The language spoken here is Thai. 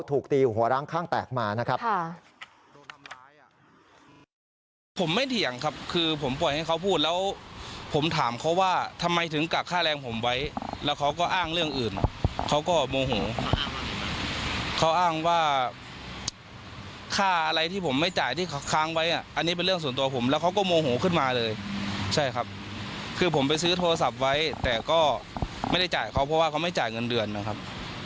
ถูกตีหัวร้างข้างแตกมานะครับ